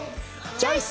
チョイス！